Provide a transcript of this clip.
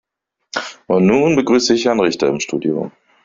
Und nun begrüße ich Herrn Richter im Studio.